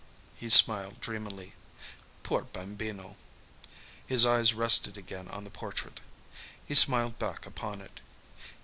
He smiled dreamily. "Poor Bambino." His eyes rested again on the portrait.... He smiled back upon it.